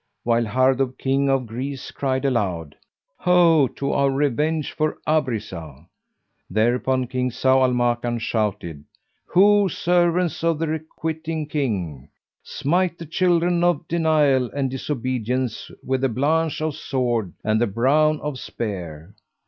while Hardub King of Greece cried aloud, "Ho, to our revenge for Abrizah!" Thereupon King Zau al Makan shouted "Ho, servants of the Requiting King!: smite the children of denial and disobedience with the blanch of sword and the brown of spear!"